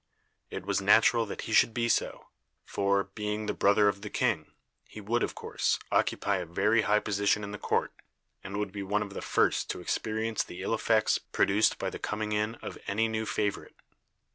It was natural that he should be so; for, being the brother of the king, he would, of course, occupy a very high position in the court, and would be one of the first to experience the ill effects produced by the coming in of any new favorite.